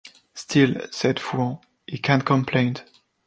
Still, said Fouan, he can’t complaint.